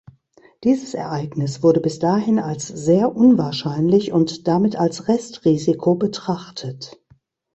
Dieses Ereignis wurde bis dahin als sehr unwahrscheinlich und damit als Restrisiko betrachtet.